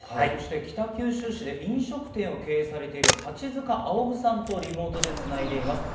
北九州市で飲食店を経営されている八塚昂さんとリモートでつないでいます。